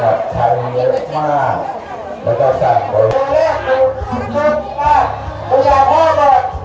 อาหารน้ำมันยืดแล้วกับกลางเลือดนะครับ